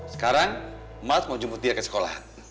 sekarang mas mau jemput dia ke sekolah